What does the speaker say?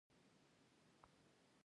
د پلار ملګري نازول هم عبادت دی.